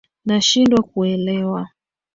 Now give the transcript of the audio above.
Nashindwa kuelewa